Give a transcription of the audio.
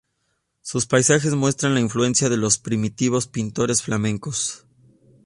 Sus paisajes muestran la influencia de los primitivos pintores flamencos.